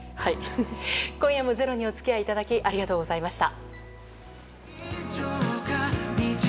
今夜も「ｚｅｒｏ」にお付き合いただきありがとうございました。